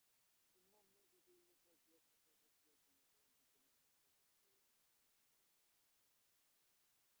অন্যান্য জটিল নেটওয়ার্কগুলির সাথে একত্রে এটি নেটওয়ার্ক বিজ্ঞানের সাম্প্রতিক তৈরী নতুন ক্ষেত্রের একটি অংশ তৈরি করে।